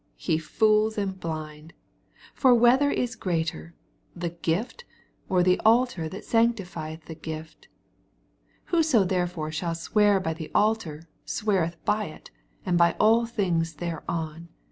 19 Te fools and blind : for whether is greater, the gpfb, or the altar that sanctifieth the gift ? 20 Whoso therefore shall swear bv the altar, sweareth by it, and by all things thereon.